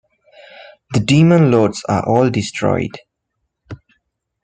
The Demon Lords are all destroyed.